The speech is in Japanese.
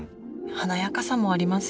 華やかさもありますよね。